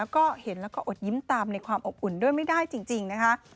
ก็เห็นแล้วก็อดยิ้มตามในความอบอุ่นด้วยไม่ได้จริงนะคะ